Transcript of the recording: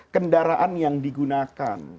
kendaraan yang digunakan